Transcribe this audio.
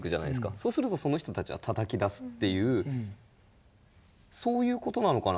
そうするとその人たちはたたきだすそういう事なのかな。